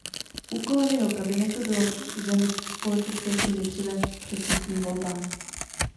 Úkolem jeho kabinetu bylo zemi v politické krizi přivést k předčasným volbám.